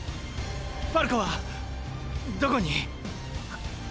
ファルコは⁉どこに⁉